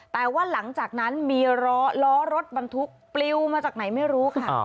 แต่ว่าหลังจากนั้นมีล้อรถบรรทุกปลิวมาจากไหนไม่รู้ค่ะ